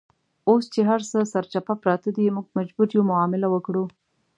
اوس چې هرڅه سرچپه پراته دي، موږ مجبور یو معامله وکړو.